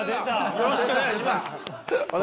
よろしくお願いします。